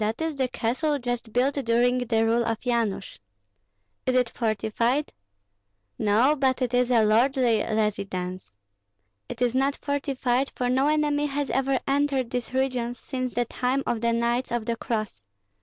"That is the castle just built during the rule of Yanush." "Is it fortified?" "No, but it is a lordly residence. It is not fortified, for no enemy has ever entered these regions since the time of the Knights of the Cross.